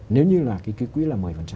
nếu như là cái ký quỹ là một mươi